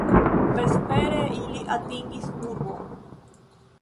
Vespere ili atingis urbon.